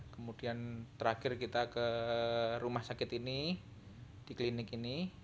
kemudian terakhir kita ke rumah sakit ini di klinik ini